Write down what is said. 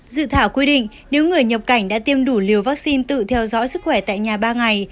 dự thảo quy định nếu người nhập cảnh đã tiêm đủ liều vaccine tự theo dõi sức khỏe tại nhà ba ngày